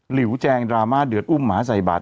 หิวแจงดราม่าเดือดอุ้มหมาใส่บาท